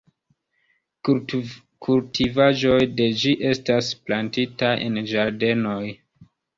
Kultivaĵoj de ĝi estas plantitaj en ĝardenoj.